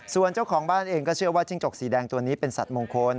ส่วนเจ้าของบ้านเองก็เชื่อว่าจิ้งจกสีแดงตัวนี้เป็นสัตว์มงคล